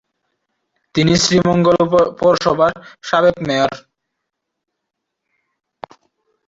তিনি শ্রীমঙ্গল পৌরসভার সাবেক মেয়র।